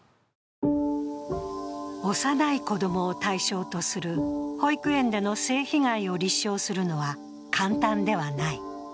幼い子供を対象とする保育園での性被害を立証するのは簡単ではない。